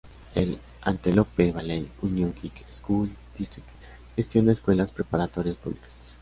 El "Antelope Valley Union High School District" gestiona escuelas preparatorias públicas.